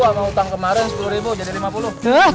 kalau utang kemarin sepuluh ribu jadi lima puluh